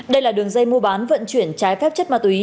đây là đường dây mua bán vận chuyển trái phép chất ma túy